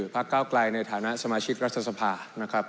พักเก้าไกลในฐานะสมาชิกรัฐสภานะครับ